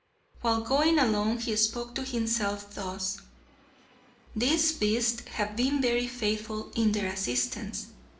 While going along he spoke to himself thus: "These beasts have been very faithful in their assistance.